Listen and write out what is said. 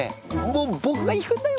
僕が行くんだよ